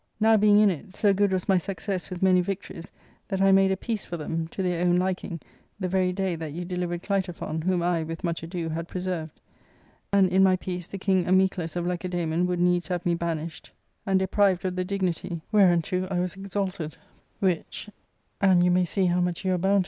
Now being in it, so good was my success with many victories, that I made a peace for themy to their own liking, the very day that you delivered Clitophon, whom I, with much ado, had preserved. And in my peace the King Amiclas of Lacedaemon would needs have me banished, and deprived of the dignity whereunto I was exalted ; which — ^and you may see how much you are boundT * Unsensible — insensate, foolish from their magnitude. \y^ —^ ARCADIA.